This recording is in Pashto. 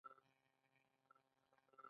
دوی ته میراث ورکړئ